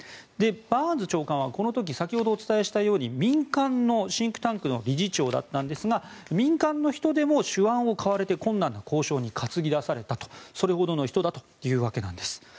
バーンズ長官はこの時先ほどお伝えしたように民間のシンクタンクの理事長だったんですが民間の人でも手腕を買われて困難な交渉に担ぎ出されたとそれほどの人だというわけなんです。